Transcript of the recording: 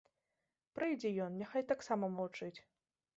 Прыйдзе ён, няхай таксама маўчыць.